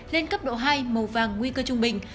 lên cấp độ hai màu vàng nguy cơ trung bình